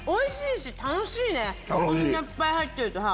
こんないっぱい入ってるとさ。